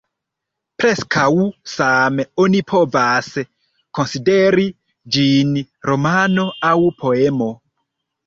Preskaŭ same oni povus konsideri ĝin romano aŭ poemo.